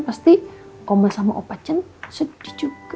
pasti om acan sama opacan sedih juga